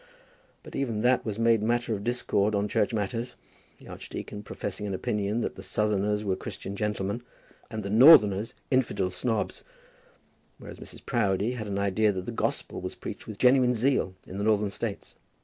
But even that was made matter of discord on church matters, the archdeacon professing an opinion that the Southerners were Christian gentlemen, and the Northerners infidel snobs; whereas Mrs. Proudie had an idea that the Gospel was preached with genuine zeal in the Northern States.